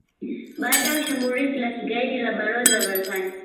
baada ya shambulizi la kigaidi la balozi za Marekani